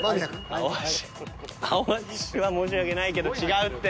青足青足は申し訳ないけど違うって！